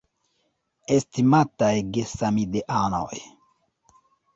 Estimataj gesamideanoj!